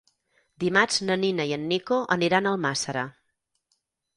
Dimarts na Nina i en Nico aniran a Almàssera.